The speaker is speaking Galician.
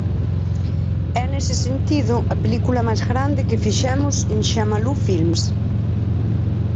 É nese sentido a película máis grande que fixemos en Xamalú Filmes.